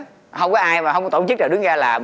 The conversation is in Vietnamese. không có ai mà không có tổ chức nào đứng ra làm